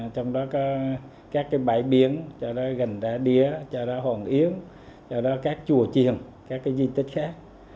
trong đó có các cái bãi biển cho ra gần đá đía cho ra hồn yến cho ra các chùa triền các cái di tích khác